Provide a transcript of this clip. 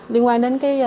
điều ngoài đến kia